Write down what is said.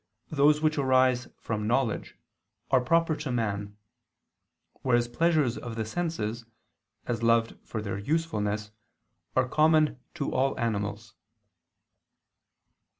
those which arise from knowledge, are proper to man: whereas pleasures of the senses, as loved for their usefulness, are common to all animals.